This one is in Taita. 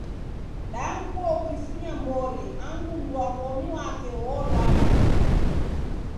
Damkua ukifunya mbori angu mundu wa womi wake wolwala.